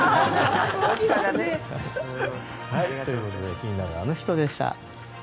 気になるアノ人でした。